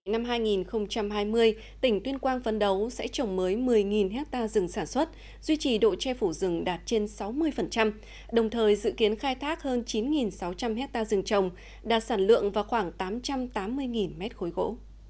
năm hai nghìn hai mươi tỉnh tuyên quang phấn đấu sẽ trồng mới một mươi ha rừng sản xuất duy trì độ che phủ rừng đạt trên sáu mươi đồng thời dự kiến khai thác hơn chín sáu trăm linh hectare rừng trồng đạt sản lượng vào khoảng tám trăm tám mươi m ba gỗ